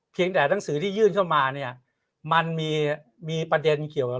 แต่หนังสือที่ยื่นเข้ามาเนี่ยมันมีมีประเด็นเกี่ยวกับ